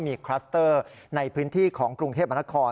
มีคลัสเตอร์ในพื้นที่ของกรุงเทพมนคร